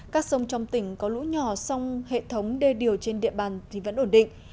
các sông trong tỉnh có lũ nhỏ song hệ thống đê điều trên địa bàn thì vẫn ổn định